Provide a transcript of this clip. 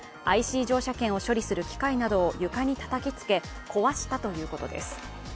ＩＣ乗車券を処理する機械などを床にたたきつけ、壊したということです。